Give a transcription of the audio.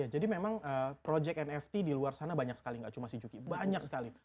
jadi memang project nft di luar sana banyak sekali gak cuma si juki banyak sekali